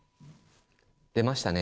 出ましたね。